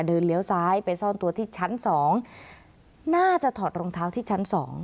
เดินเหลียวซ้ายไปซ่อนตัวที่ชั้นสองน่าจะถอดรองเท้าที่ชั้นสอง